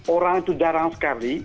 orang itu jarang sekali